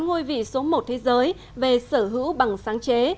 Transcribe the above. ngôi vị số một thế giới về sở hữu bằng sáng chế